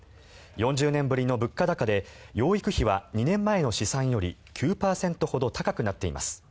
４０年ぶりの物価高で養育費は２年前の試算より９％ほど高くなっています。